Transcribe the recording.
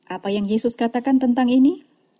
apa yang yesus katakan tentang ini